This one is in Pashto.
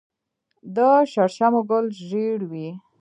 د شړشمو ګل ژیړ وي.